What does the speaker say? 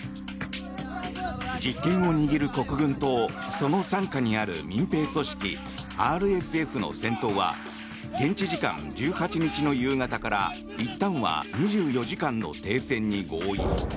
実権を握る国軍とその傘下にある民兵組織ＲＳＦの戦闘は現地時間１８日の夕方からいったんは２４時間の停戦に合意。